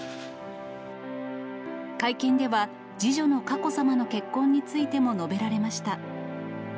会見では、次女の佳子さまの結婚についても述べられました。